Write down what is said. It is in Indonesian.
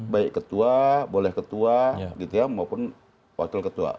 baik ketua boleh ketua gitu ya maupun wakil ketua